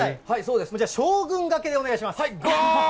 では将軍がけでお願いします。